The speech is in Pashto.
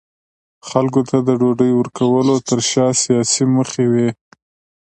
خلکو ته د ډوډۍ ورکولو ترشا سیاسي موخې وې.